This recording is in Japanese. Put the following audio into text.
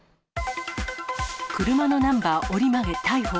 車のナンバー折り曲げ逮捕。